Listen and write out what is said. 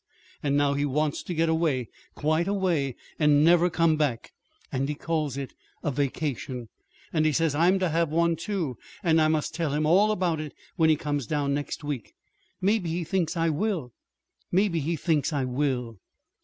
And now he wants to get away quite away, and never come back. And he calls it a vacation! And he says I'm to have one, too, and I must tell him all about it when he comes down next week. Maybe he thinks I will. _Maybe he thinks I will!